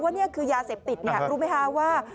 นี่คือยาเสพติดรู้ไหมคะว่า